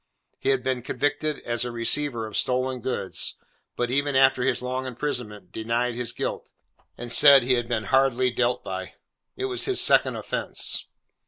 He had been convicted as a receiver of stolen goods, but even after his long imprisonment, denied his guilt, and said he had been hardly dealt by. It was his second offence.